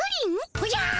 おじゃあ！